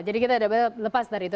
jadi kita lepas dari itu